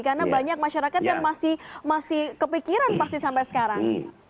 karena banyak masyarakat yang masih kepikiran pasti sampai sekarang